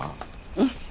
うん。